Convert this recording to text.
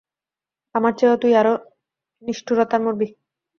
আমার চেয়েও তুই আরো নিষ্ঠুরভাবে মরবি।